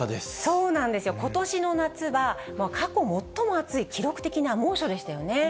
そうなんですよ、ことしの夏は、過去最も暑い記録的な猛暑でしたよね。